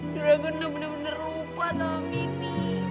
juragan udah bener bener lupa sama mity